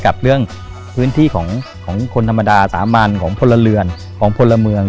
กับเรื่องพื้นที่ของคนธรรมดาสามัญของพลเรือนของพลเมือง